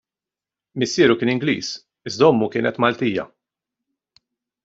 Missieru kien Ingliż iżda ommu kienet Maltija.